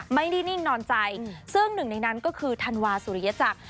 นิ่งนอนใจซึ่งหนึ่งในนั้นก็คือธันวาสุริยจักร